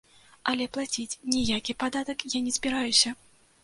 Але плаціць ніякі падатак я не збіраюся.